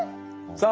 さあ。